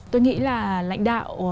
tôi nghĩ là lãnh đạo